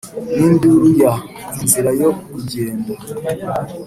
n'induru ya "inzira yo kugenda!"?